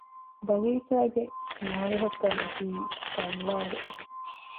ބަގީޗާގެ ނާރެހަކަށް އޮތީ ފައްވާރެއް